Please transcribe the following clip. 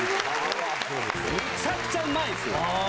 むちゃくちゃうまいっすよ。